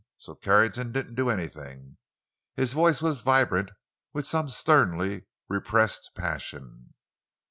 So Carrington didn't do anything." His voice was vibrant with some sternly repressed passion.